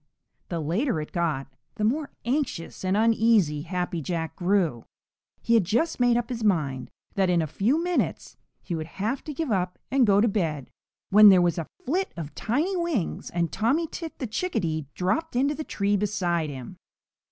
The later it got, the more anxious and uneasy Happy Jack grew. He had just made up his mind that in a few minutes he would have to give up and go to bed when there was a flit of tiny wings, and Tommy Tit the Chickadee dropped into the tree beside him.